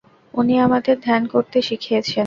উনি আমাদের ধ্যান করতে শিখিয়েছেন।